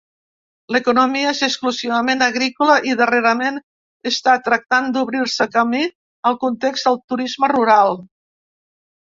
L'economia és exclusivament agrícola i darrerament està tractant d'obrir-se camí al context del turisme rural.